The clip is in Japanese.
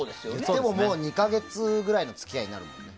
でも、もう２か月ぐらいの付き合いになるよね。